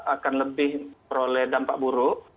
akan lebih peroleh dampak buruk